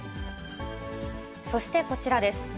そしてこちらです。